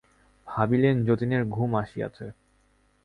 ভাবিলেন, যতীনের ঘুম আসিয়াছে।